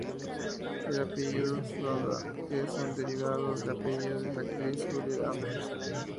El apellido de Sawada es un derivado del apellido de la actriz Julie Andrews.